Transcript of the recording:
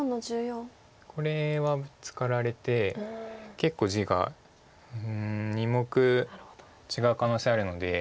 これはブツカられて結構地が２目違う可能性あるので。